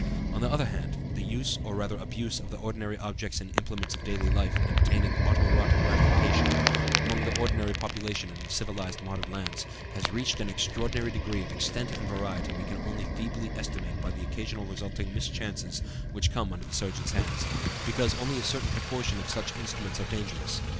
On the other hand, the use, or rather abuse, of the ordinary objects and implements of daily life in obtaining auto erotic gratification, among the ordinary population in civilized modern lands, has reached an extraordinary degree of extent and variety we can only feebly estimate by the occasional resulting mischances which come under the surgeon's hands, because only a certain proportion of such instruments are dangerous.